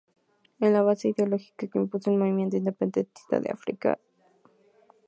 Es la base ideológica que impulsó el movimiento independentista en África.